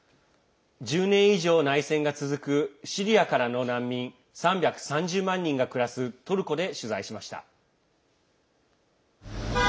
１０年以上、内戦が続くシリアからの難民３３０万人が暮らす、トルコで取材しました。